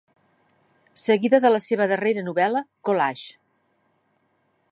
Seguida de la seva darrera novel·la "Collages".